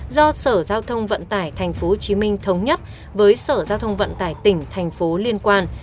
do sở giao thông vận tải tp hcm thống nhất với sở giao thông vận tải tp hcm